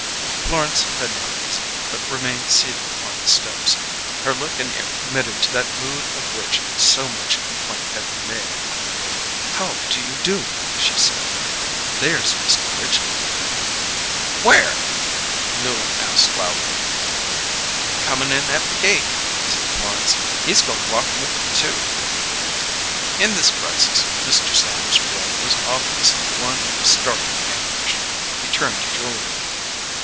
Florence had not risen, but remained seated upon the steps, her look and air committed to that mood of which so much complaint had been made. "How do you do," she said. "There's Mr. Ridgely." "Where?" Newland asked loudly. "Comin' in at the gate," said Florence. "He's goin' walkin' with you, too." In this crisis, Mr. Sanders's feeling was obviously one of startled anguish. He turned to Julia.